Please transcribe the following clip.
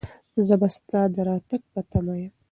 زه به ستا د راتګ په تمه یم.